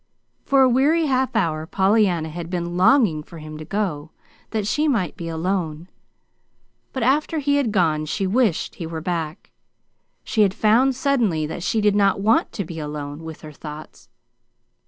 For a weary half hour Pollyanna had been longing for him to go, that she might be alone; but after he had gone she wished he were back. She had found suddenly that she did not want to be alone with her thoughts.